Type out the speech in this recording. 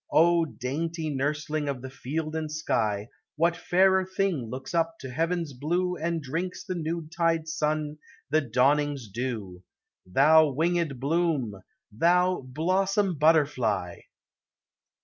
O dainty nursling of the field and sky, What fairer thing looks up to heaven's blue And drinks the noontide Sun, the dawning's dew? Thou winged bloom ! thou blossom butterfly